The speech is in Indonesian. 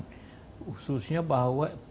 khususnya bahwa fiskal defisit